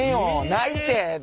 ないって。